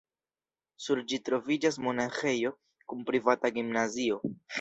Sur ĝi troviĝas monaĥejo kun privata gimnazio.